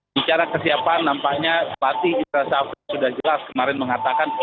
bicara kesiapan nampaknya seperti itras afriz sudah jelas kemarin mengatakan